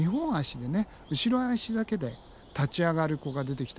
後ろ足だけで立ち上がる子が出てきたのね。